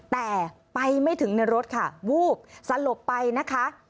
แต่ไปไม่ถึงในรถค่ะวูบสลบไปนะคะ